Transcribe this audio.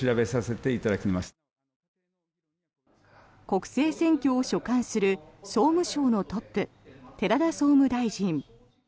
国政選挙を所管する総務省のトップ、寺田総務大臣。